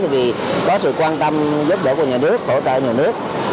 thì có sự quan tâm giúp đỡ của nhà nước hỗ trợ nhà nước